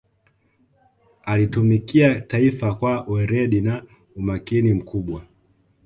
alitumikia taifa kwa weredi na umakini mkubwa